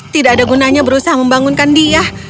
tidak ada gunanya berusaha membangunkan dia